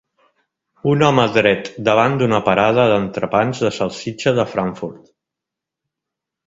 Un home dret davant d'una parada d'entrepans de salsitxa de Frankfurt.